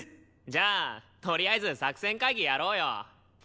じゃあとりあえず作戦会議やろうよ。